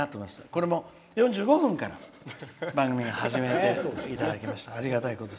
これも４５分から番組始めていただきましてありがたいことに。